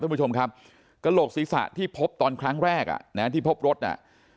คุณผู้ชมครับกระโหลกศีรษะที่พบตอนครั้งแรกอ่ะนะที่พบรถน่ะ